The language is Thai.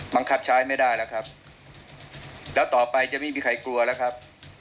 บังคับใช้ไม่ได้แล้วครับแล้วต่อไปจะไม่มีใครกลัวแล้วครับ